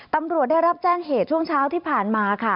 ตำรวจได้รับแจ้งเหตุช่วงเช้าที่ผ่านมาค่ะ